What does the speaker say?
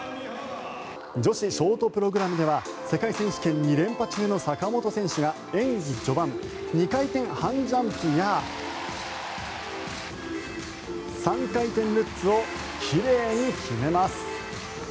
女子ショートプログラムでは世界選手権２連覇中の坂本選手が演技序盤、２回転半ジャンプや３回転ルッツを奇麗に決めます。